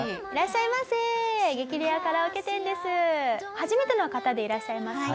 初めての方でいらっしゃいますか？